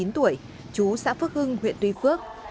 hai mươi chín tuổi chú xã phước hưng huyện tuy phước